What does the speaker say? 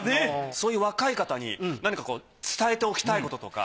そういう若い方に何かこう伝えておきたいこととか。